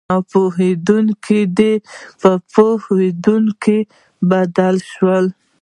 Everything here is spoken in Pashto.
نه پوهېدونکي دې په پوهېدونکي بدل شي.